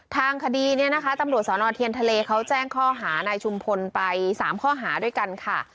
ทางคดีเนี่ยนะคะตำรวจสนเทียนทะเลเขาแจ้งข้อหานายชุมพลไป๓ข้อหาด้วยกันค่ะ